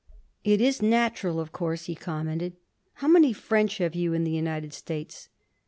"It is natural, of course," he commented. "How many French have you in the United States?"